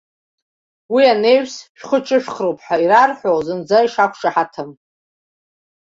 Уи анаҩс, шәхы ҿышәхроуп ҳәа ирарҳәо зынӡа ишақәшаҳаҭым.